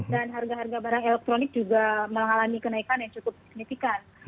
dan harga harga barang elektronik juga mengalami kenaikan yang cukup signifikan